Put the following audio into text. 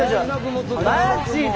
マジで？